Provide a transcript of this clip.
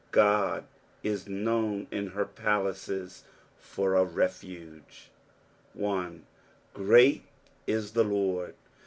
3 God is known in her palaces for a refuge. 1. ^^ Great is the Lord."